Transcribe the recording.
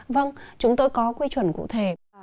vâng chúng tôi có quy chuẩn cụ thể